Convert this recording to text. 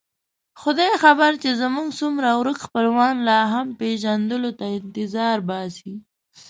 خدای خبر چې زموږ څومره ورک خپلوان لا هم پېژندلو ته انتظار باسي.